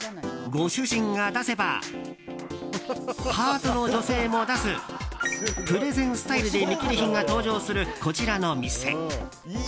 ご主人が出せばパートの女性も出すプレゼンスタイルで見切り品が登場するこちらの店。